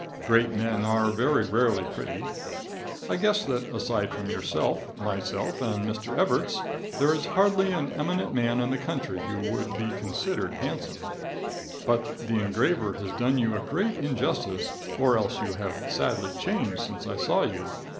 Great men are very rarely pretty. I guess that, aside from yourself, myself, and Mr. Evarts, there is hardly an eminent man in the country who would be considered handsome. But the engraver has done you a great injustice, or else you have sadly changed since I saw you.